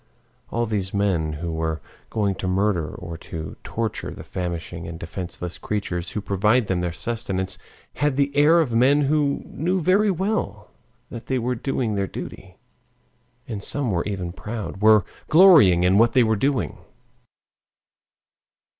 All these men who were going to murder or to torture the famishing and defenseless creatures who provide them their sustenance had the air of men who knew very well that they were doing their duty, and some were even proud, were "glorying" in what they were doing.